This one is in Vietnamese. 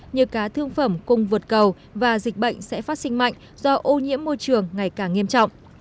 như cá thương phẩm cung vượt cầu và dịch bệnh sẽ phát sinh mạnh do ô nhiễm môi trường ngày càng nghiêm trọng